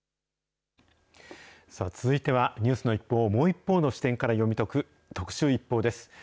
続いてはニュースの一報をもう一方の視点から読み解く、特集ＩＰＰＯＵです。